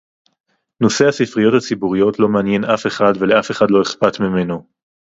נושא הספריות הציבוריות לא מעניין אף אחד ולאף אחד לא אכפת ממנו